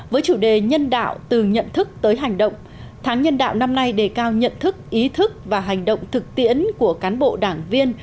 với chủ đề nhân đạo từ nhận thức tới hành động tháng nhân đạo năm nay đề cao nhận thức ý thức và hành động thực tiễn của cán bộ đảng viên